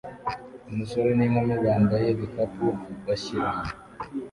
Umusore n'inkumi bambaye ibikapu bashyira